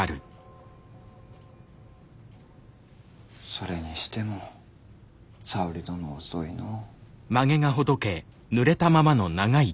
それにしても沙織殿遅いのぉ。